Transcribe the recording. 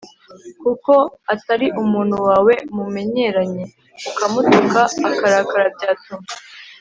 kuko atari umuntu wawe mumenyeranye ukamutuka akarakara byatuma